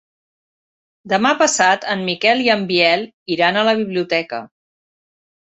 Demà passat en Miquel i en Biel iran a la biblioteca.